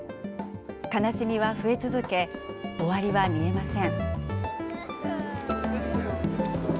悲しみは増え続け、終わりは見えません。